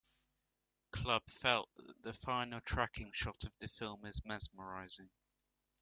Club felt that the final tracking shot of the film is mesmerizing.